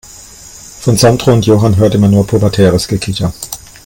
Von Sandro und Johann hörte man nur pubertäres Gekicher.